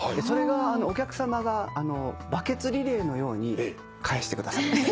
それがお客さまがバケツリレーのように返してくださる。